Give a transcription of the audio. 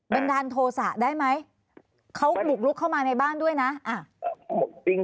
ันดาลโทษะได้ไหมเขาบุกลุกเข้ามาในบ้านด้วยนะ